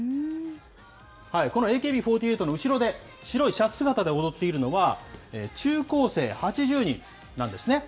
このＡＫＢ４８の後ろで、白いシャツ姿で踊っているのは、中高生８０人なんですね。